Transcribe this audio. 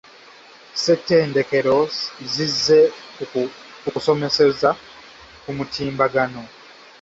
Ssettendekero zizze ku kusomeseza ku mutimbagano.